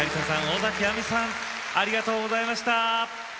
尾崎亜美さんありがとうございました。